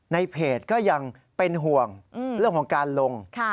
ในเพจก็ยังเป็นห่วงเรื่องของการลง